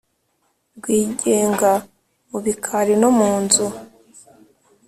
Rwigenga mu bikari no mu nzu